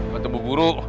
tunggu bu guru